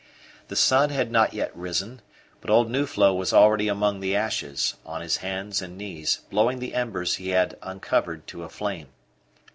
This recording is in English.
The sun had not yet risen, but old Nuflo was already among the ashes, on his hands and knees, blowing the embers he had uncovered to a flame.